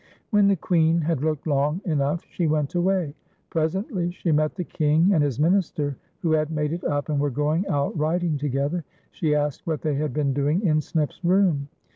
When the Queen had looked long enough she went away. Presently she met the King and his minister, who had made it up, and were going out riding together. She asked what they had been doing in Snip's room.